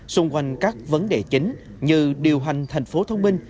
xung quanh các vấn đề chính như điều hành tp thông minh